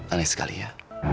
aneh sekali ya